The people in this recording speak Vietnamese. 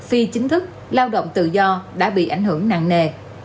phi chính thức lao động tự do đã bị ảnh hưởng nặng nề